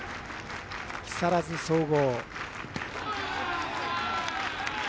木更津総合。